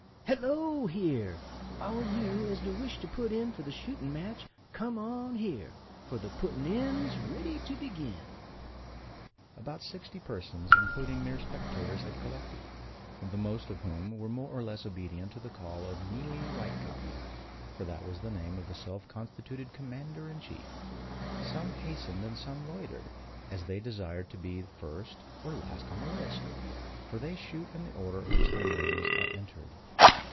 "Hello, here! All you as wish to put in for the shoot'n' match, come on here! for the putt'n' in's riddy to begin." About sixty persons, including mere spectators, had collected; the most of whom were more or less obedient to the call of Mealy Whitecotton, for that was the name of the self constituted commander in chief. Some hastened and some loitered, as they desired to be first or last on the list; for they shoot in the order in which their names are entered.